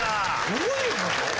どういう事？